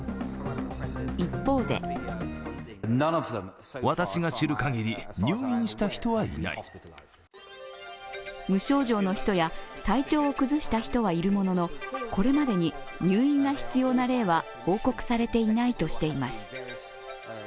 一方で無症状の人や体調を崩した人はいるものの、これまでに入院が必要な例は報告されていないとしています。